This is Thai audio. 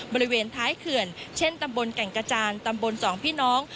บริเวณท้ายเขื่อนเช่นตำบลแก่งกระจานตำบลสองพี่น้อง